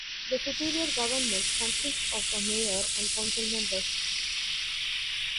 The Superior government consists of a mayor and council members.